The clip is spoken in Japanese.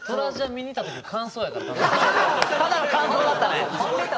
ただの感想だったね。